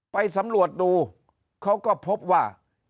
ไปสำรวจดูเขาก็พบว่า